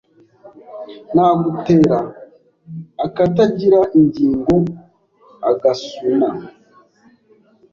Nagutera akatagira ingingoAgasuna